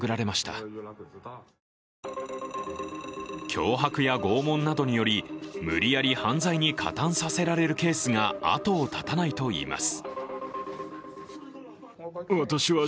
脅迫や拷問などにより、無理やり犯罪に加担させられるケースが後を絶たないといいます。